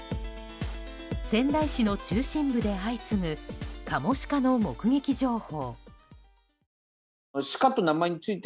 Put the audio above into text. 仙台市の中心部で相次ぐカモシカの目撃情報。